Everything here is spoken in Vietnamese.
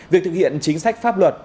việc thực hiện chính sách pháp luật